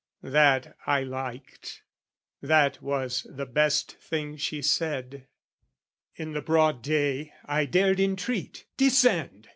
That I liked, that was the best thing she said. In the broad day, I dared entreat, "Descend!"